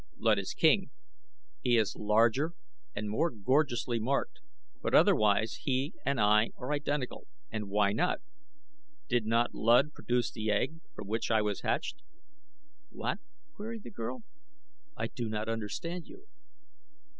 "Luud is king. He is larger and more gorgeously marked; but otherwise he and I are identical, and why not? Did not Luud produce the egg from which I hatched?" "What?" queried the girl; "I do not understand you."